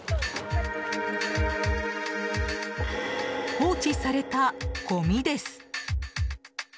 放置されたごみです。